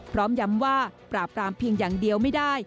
พร้อมย้ำว่าปราบรามเพียงอย่างเดียวไม่ได้